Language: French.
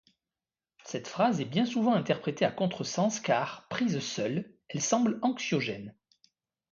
Cette phrase est bien souvent interprétée à contresens car, prise seule, elle semble anxiogène.